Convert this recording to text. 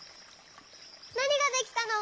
なにができたの？